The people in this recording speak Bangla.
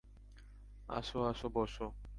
আসো আসো, বসো।